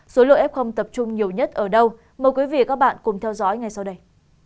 số lộ ép không tập trung nhiều nhất ở đâu mời quý vị và các bạn cùng theo dõi ngay sau đây